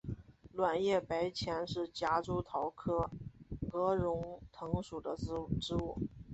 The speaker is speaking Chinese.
卵叶白前是夹竹桃科鹅绒藤属的植物。